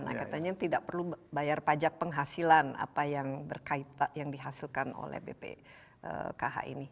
nah katanya tidak perlu bayar pajak penghasilan apa yang dihasilkan oleh bpkh ini